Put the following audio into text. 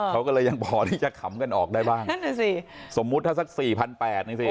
เขาก็เลยยังพอที่จะขำกันออกได้บ้างนั่นน่ะสิสมมุติถ้าสักสี่พันแปดนี่สิ